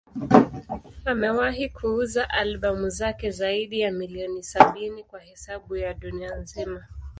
Amewahi kuuza albamu zake zaidi ya milioni sabini kwa hesabu ya dunia nzima.